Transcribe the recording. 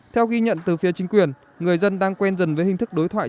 theo ghi nhận từ phía chính quyền người dân đang quen dần với hình thức đối thoại